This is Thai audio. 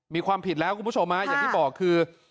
มีความผิดแล้วคุณผู้ชมอย่างที่บอกคือ